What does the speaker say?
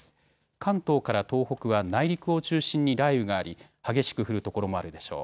関東から東北は内陸を中心に雷雨があり激しく降る所もあるでしょう。